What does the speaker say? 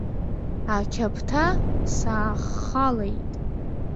Ақьаԥҭа сааххалеит.